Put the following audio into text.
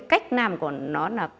cách nằm của nó là